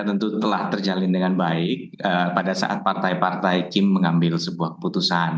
tentu telah terjalin dengan baik pada saat partai partai kim mengambil sebuah keputusan